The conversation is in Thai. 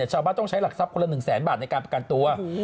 ชาวบ้านต้องใช้หลักทรัพย์คนละ๑แสนบาทในการประกันตัว